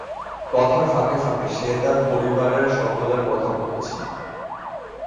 কথার ফাঁকে ফাঁকে সে তার পরিবারের সকলের কথা বলেছেন।